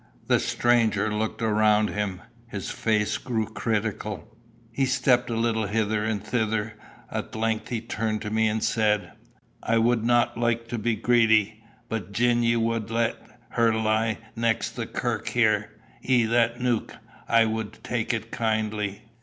The stranger looked around him. His face grew critical. He stepped a little hither and thither. At length he turned to me and said "I wadna like to be greedy; but gin ye wad lat her lie next the kirk there i' that neuk, I wad tak' it kindly.